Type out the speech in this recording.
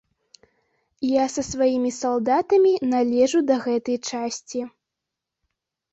Я са сваімі салдатамі належу да гэтай часці.